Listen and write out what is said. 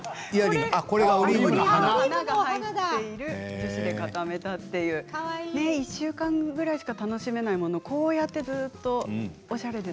樹脂で固めたという１週間ぐらいしか楽しめないものをこうやってずっとおしゃれで